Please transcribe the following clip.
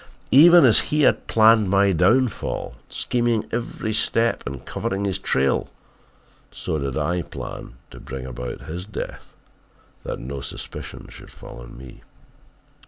"Even as he had planned my downfall, scheming every step and covering his trail, so did I plan to bring about his death that no suspicion should fall on me.